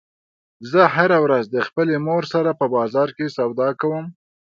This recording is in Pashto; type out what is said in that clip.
زه هره ورځ د خپلې مور سره په بازار کې سودا کوم